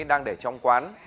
đang để trong quán